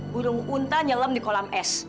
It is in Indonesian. burung unta nyelem di kolam es